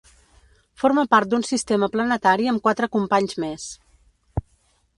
Forma part d'un sistema planetari amb quatre companys més.